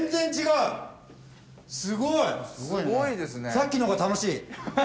さっきの方が楽しい。